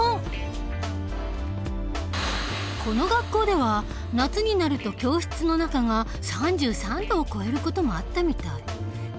この学校では夏になると教室の中が３３度を超える事もあったみたい。